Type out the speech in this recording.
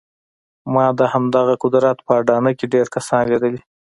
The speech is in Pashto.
ما د همدغه قدرت په اډانه کې ډېر کسان ليدلي.